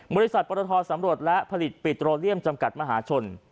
บริษัทปรทสำรวจและผลิตปิโตรเลียมจำกัดมหาชน